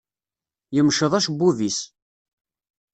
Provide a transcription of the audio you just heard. Yemceḍ acebbub-is.